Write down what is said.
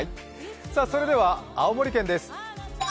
それでは青森県です。